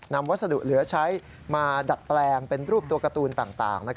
วัสดุเหลือใช้มาดัดแปลงเป็นรูปตัวการ์ตูนต่าง